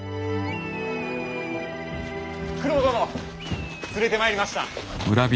九郎殿連れてまいりました。